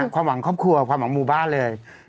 ความหวังครอบครัวความหวังหมู่บ้านเลย